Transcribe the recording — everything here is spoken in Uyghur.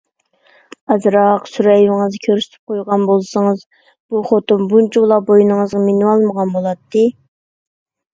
ئازراق سۈر-ھەيۋىڭىزنى كۆرسىتىپ قويغان بولسىڭىز، بۇ خوتۇن بۇنچىۋالا بوينىڭىزغا مىنىۋالمىغان بولاتتى.